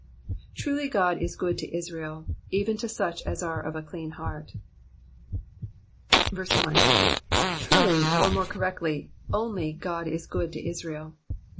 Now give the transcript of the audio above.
TRULY God is good to Israel, even to such as are of a clean heart. 1. ^^ Truly, ^^ or, more correctly, only, *^0od is good to Israel.